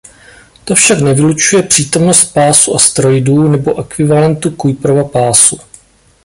To však nevylučuje přítomnost pásu asteroidů nebo ekvivalentu Kuiperova pásu.